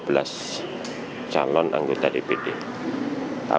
bersama saya ihsan sitorus langsung dari gedung mk ri jakarta